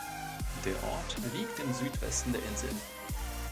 Der Ort liegt im Südwesten der Insel.